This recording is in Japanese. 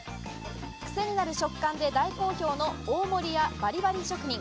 クセになる食感で大好評の大森屋バリバリ職人。